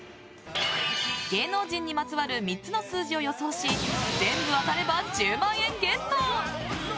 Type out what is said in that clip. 芸能人にまつわる３つの数字を予想し全部当たれば１０万円ゲット！